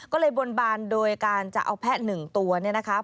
ก็เลยบนบานโดยการจะเอาแพะ๑ตัวเนี่ยนะคะ